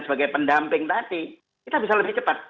sebagai pendamping tadi kita bisa lebih cepat